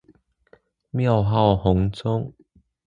庙号弘宗。